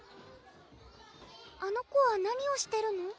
あの子は何をしてるの？